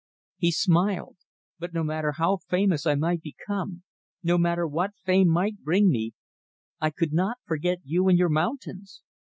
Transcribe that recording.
He smiled. "But no matter how famous I might become no matter what fame might bring me I could not forget you and your mountains."